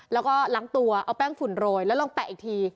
แล้วก็ล้างตัวเอาแป้งฝุ่นโรยแล้วลองแปะอีกที